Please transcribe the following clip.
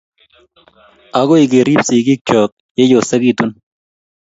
agoi kerib sigikcho ye yosekitun